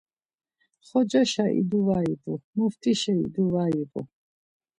Xocaşa idu var ivu, Muftişa idu var ivu.